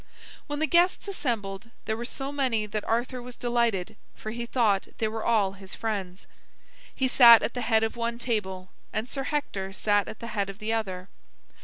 When the guests assembled there were so many that Arthur was delighted, for he thought they were all his friends. He sat at the head of one table, and Sir Hector sat at the head of the other.